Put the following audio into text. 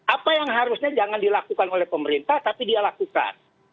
apa yang harusnya jangan dilakukan oleh pemerintah tapi dia lakukan